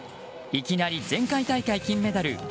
いきなり前回大会金メダル